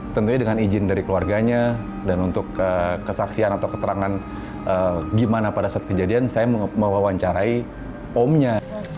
tentunya dengan izin dari keluarganya dan untuk kesaksian atau keterangan gimana pada saat kejadian saya mewawancarai omnya